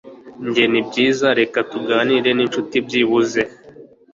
njye nibyiza, reka tuganire ninshuti byibuze